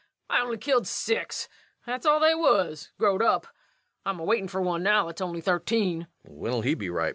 I only killed six ... that's all they wuz growed up. I'm a waitin' fer one now that's only thirteen. REVENUE. When'll he be ripe?